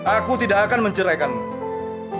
aku tidak akan menceraikanmu